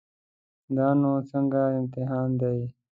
دا نو څنګه امتحان دی.